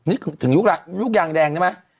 นี่ถึงยุคละลูกยางแดงใช่ไหม